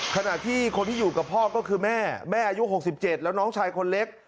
ขณะที่คนที่อยู่กับพ่อก็คือแม่แม่อายุ๖๗แล้วน้องชายคนเล็ก